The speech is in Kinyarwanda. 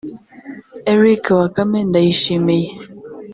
Eric Bakame Ndayishimiye